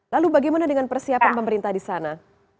lalu bagaimana dengan persiapan pemerintah disana